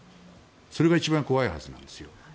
それが一番怖いはずなんですよ。